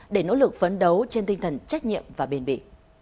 để nỗ lực phấn đấu trên tinh thần trách nhiệm và bền bỉ